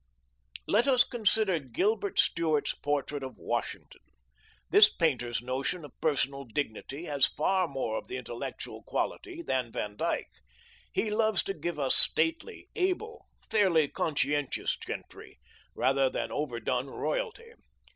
Let us consider Gilbert Stuart's portrait of Washington. This painter's notion of personal dignity has far more of the intellectual quality than Van Dyck. He loves to give us stately, able, fairly conscientious gentry, rather than overdone royalty.